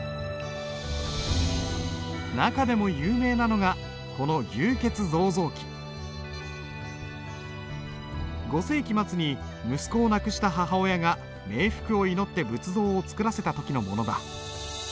中でも有名なのがこの５世紀末に息子を亡くした母親が冥福を祈って仏像を作らせた時のものだ。